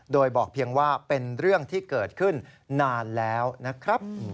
โดยบอกเพียงว่าเป็นเรื่องที่เกิดขึ้นนานแล้วนะครับ